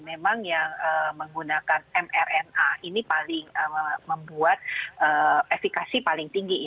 memang yang menggunakan mrna ini membuat efikasi paling tinggi